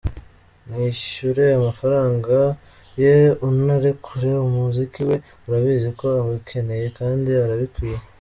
Mwishyure amafaranga ye unarekure umuziki we, urabizi ko abikeneye kandi arabikwiye”.